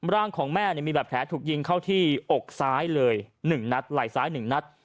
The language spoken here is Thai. ร่างของแม่มีแบบแผลถูกยิงเข้าที่อกซ้ายเลย๑นัดไหล่ซ้าย๑นัด